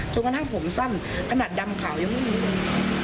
กระทั่งผมสั้นขนาดดำขาวยังไม่มีเลย